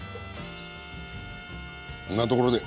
こんなところで。